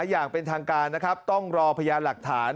อย่างเป็นทางการนะครับต้องรอพยานหลักฐาน